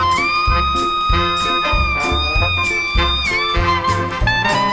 สวัสดีครับ